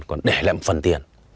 còn để lại một phần tiền